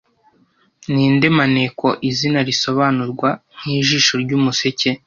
Ninde maneko izina risobanurwa nkijisho ryumuseke